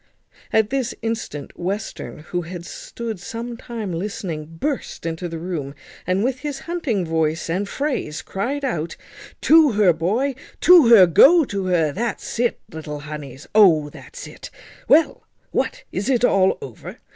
At this instant Western, who had stood some time listening, burst into the room, and, with his hunting voice and phrase, cried out, "To her, boy, to her, go to her. That's it, little honeys, O that's it! Well! what, is it all over?